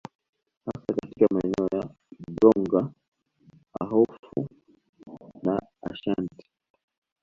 Hasa katika maeneo ya Bronga Ahafo na Ashant